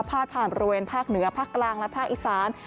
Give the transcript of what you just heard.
พาดผ่านบริเวณภาคเหนือภาคกลางและภาคอีสาน